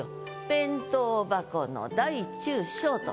「弁当箱の大中小」と。